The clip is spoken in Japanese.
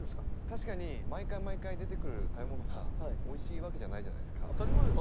確かに毎回毎回出てくる食べ物がおいしいわけじゃないじゃないですか。